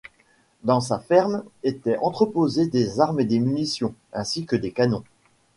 Dans sa ferme était entreposé des armes et des munitions, ainsi que des canons.